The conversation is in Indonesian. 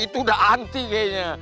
itu udah anti kayaknya